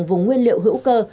vùng nguyên liệu hữu cơ